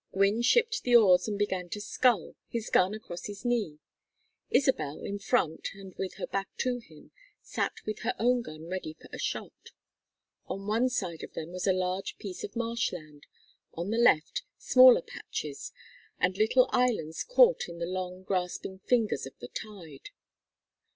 Gwynne shipped the oars and began to scull, his gun across his knee. Isabel, in front and with her back to him, sat with her own gun ready for a shot. On one side of them was a large piece of marsh land, on the left, smaller patches, and little islands caught in the long grasping fingers of the tide.